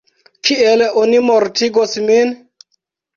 Kiel oni mortigos min?